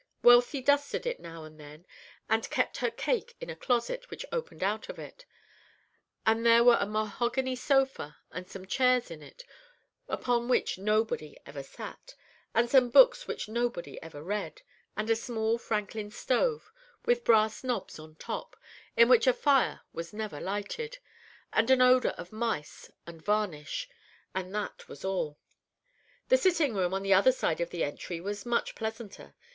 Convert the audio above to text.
Wealthy dusted it now and then, and kept her cake in a closet which opened out of it, and there were a mahogany sofa and some chairs in it, upon which nobody ever sat, and some books which nobody ever read, and a small Franklin stove, with brass knobs on top, in which a fire was never lighted, and an odor of mice and varnish, and that was all. The sitting room on the other side of the entry was much pleasanter.